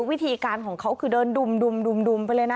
วิธีการของเขาคือเดินดุมไปเลยนะ